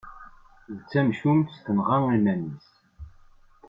D tamcumt tenɣa iman-is.